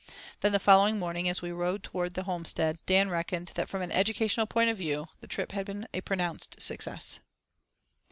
Then the following morning as we rode towards the homestead Dan "reckoned" that from an educational point of view the trip had been a pronounced success.